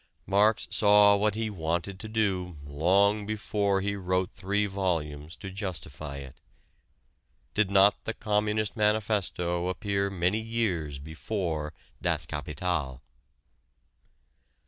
Marx saw what he wanted to do long before he wrote three volumes to justify it. Did not the Communist Manifesto appear many years before "Das Kapital"?